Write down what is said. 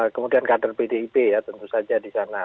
kemudian kader pdip ya tentu saja di sana